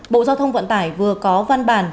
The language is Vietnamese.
bộ giao thông vận tải vừa có văn bản